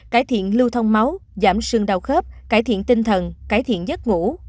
cải thiện lưu thông máu giảm sưng đau khớp cải thiện tinh thần cải thiện giấc ngủ